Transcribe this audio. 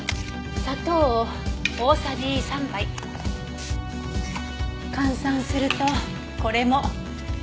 砂糖を大さじ３杯。換算するとこれも２７グラム。